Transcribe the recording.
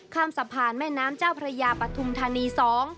ข้ามสะพานแม่น้ำเจ้าพระยาปฐุมธานีสอง